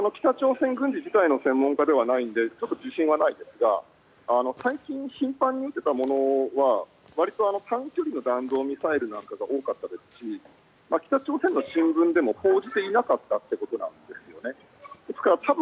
私は北朝鮮自体の軍事専門家ではないのでちょっと自信はないですが最近、頻繁に撃っていたものはわりと短距離の弾道ミサイルなんかが多かったですし北朝鮮の新聞でも報じていなかったということなんですね。